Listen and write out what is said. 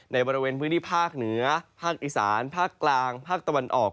ในบริเวณพื้นที่ภาคเหนือภาคอีสานภาคกลางภาคตะวันออก